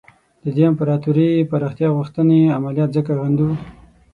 د دې امپراطوري پراختیا غوښتنې عملیات ځکه غندو.